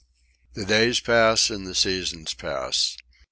The days pass, and the seasons pass.